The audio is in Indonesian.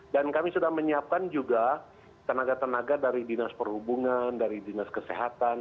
dan kami sudah menyiapkan juga tenaga tenaga dari dinas perhubungan dari dinas kesehatan